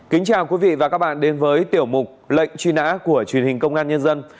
kính chào quý vị và các bạn đến với tiểu mục lệnh truy nã của truyền hình công an nhân dân